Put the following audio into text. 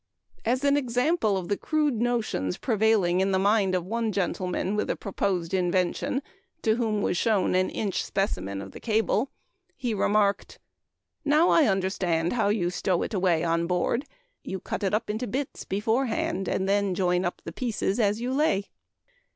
As an example of the crude notions prevailing in the mind of one gentleman with a proposed invention, to whom was shown an inch specimen of the cable, he remarked: "Now I understand how you stow it away on board. You cut it up into bits beforehand, and then join up the pieces as you lay."